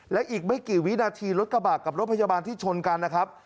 และอีกไม่กี่วินาทีรถกระบะกับรถพยาบาลที่ชนกันนะครับ